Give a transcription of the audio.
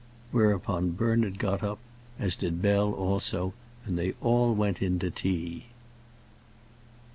Whereupon Bernard got up, as did Bell also, and they all went in to tea.